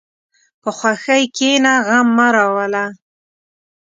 په خوښۍ کښېنه، غم مه راوله.